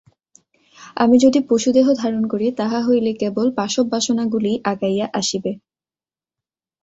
আমি যদি পশু দেহ ধারণ করি, তাহা হইলে কেবল পাশব বাসনাগুলিই আগাইয়া আসিবে।